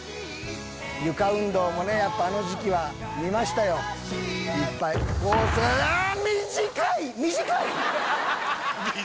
床運動もねやっぱあの時期は見ましたよいっぱいああっ！